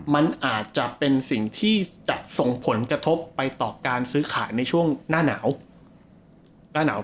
มันอาจจะเป็นสิ่งที่จะส่งผลกระทบไปต่อการซื้อขายในช่วงหน้าหนาวหน้าหนาว